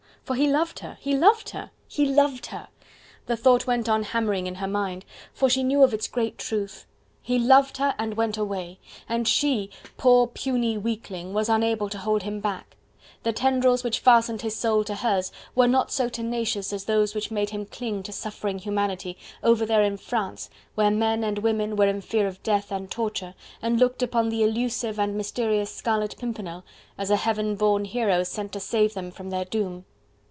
for he loved her! he loved her! he loved her! the thought went on hammering in her mind, for she knew of its great truth! He loved her and went away! And she, poor, puny weakling, was unable to hold him back; the tendrils which fastened his soul to hers were not so tenacious as those which made him cling to suffering humanity, over there in France, where men and women were in fear of death and torture, and looked upon the elusive and mysterious Scarlet Pimpernel as a heaven born hero sent to save them from their doom.